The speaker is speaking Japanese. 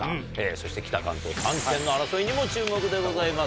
そして北関東３県の争いにも注目でございますね。